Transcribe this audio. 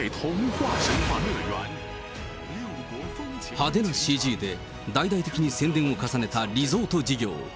派手なＣＧで大々的に宣伝を重ねたリゾート事業。